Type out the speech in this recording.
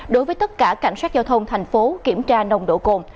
đối với tất cả cảnh sát giao thông thành phố kiểm tra nồng độ cồn